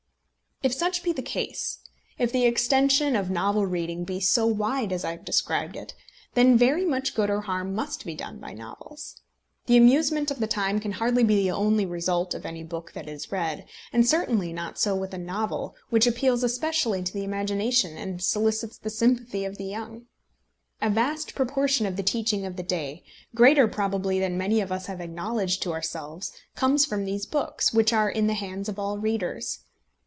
If such be the case if the extension of novel reading be so wide as I have described it then very much good or harm must be done by novels. The amusement of the time can hardly be the only result of any book that is read, and certainly not so with a novel, which appeals especially to the imagination, and solicits the sympathy of the young. A vast proportion of the teaching of the day, greater probably than many of us have acknowledged to ourselves, comes from these books, which are in the hands of all readers.